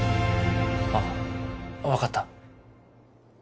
あぁわかった。